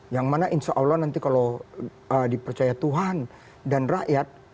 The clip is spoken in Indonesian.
yang mana insya allah nanti kalau dipercaya tuhan dan rakyat